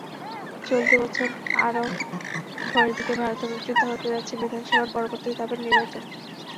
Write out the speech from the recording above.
চলতি বছর আরও পরের দিকে ভারতে অনুষ্ঠিত হতে যাচ্ছে বিধানসভার পরবর্তী ধাপের নির্বাচন।